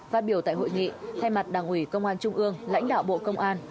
phát biểu tại hội nghị thay mặt đảng ủy công an trung ương lãnh đạo bộ công an